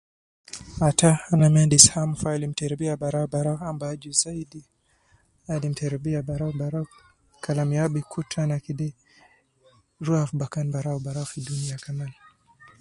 Ata ana maa endis haam fi alimu terebiya baraubarau ambaju zaidi alinu tetrebiya baraubarau Kalam ya bikutu ana ruwa fi bakan baraubarau fi Dunia kaman.